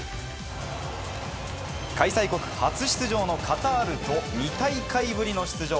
開催国、初出場のカタールと２大会ぶりの出場